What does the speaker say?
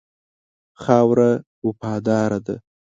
خاوره وفاداره ده.